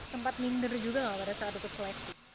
sempat minder juga pada saat persoaksi